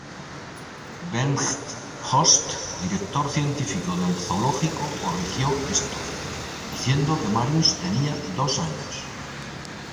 Bengt Holst, director científico del zoológico, corrigió esto, diciendo que Marius tenía dos años.